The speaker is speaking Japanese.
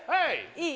いい？